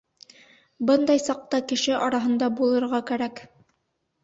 Бындай саҡта кеше араһында булырға кәрәк.